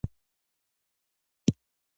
د ټولني د هوسايني لپاره ځوانان تلپاتي رول لري.